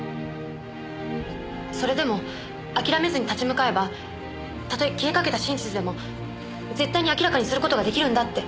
それでも諦めずに立ち向かえばたとえ消えかけた真実でも絶対に明らかにする事ができるんだって。